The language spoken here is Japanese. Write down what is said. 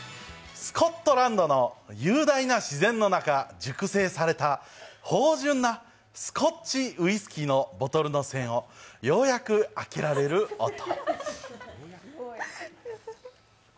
スコットランドの雄大な自然の中、熟成された芳じゅんなスコッチウイスキーのボトルの栓をようやく開けられる音。